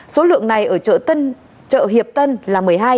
số lượng này ở chợ hiệp tân là một mươi hai